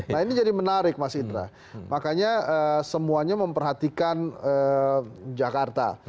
nah ini jadi menarik mas indra makanya semuanya memperhatikan jakarta